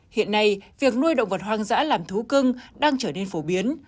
hiện nay việc nuôi động vật hoang dã làm thú cưng đang trở nên phổ biến